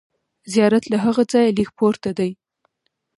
زیارت له هغه ځایه لږ پورته دی.